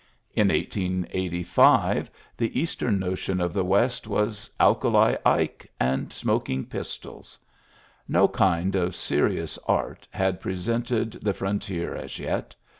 In 1885 the Eastern notion of the West was "Alkali Ike" and smok ing pistols. No kind of serious art had presented the frontier as yet.